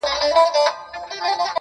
چي مرور نه یم، چي در پُخلا سم تاته,